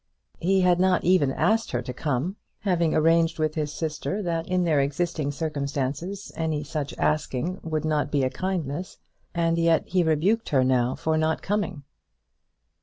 He had not even asked her to come, having arranged with his sister that in their existing circumstances any such asking would not be a kindness; and yet he rebuked her now for not coming!